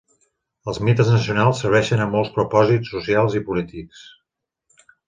Els mites nacionals serveixen a molts propòsits socials i polítics.